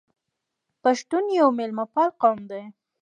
پښتون یو میلمه پال قوم دی.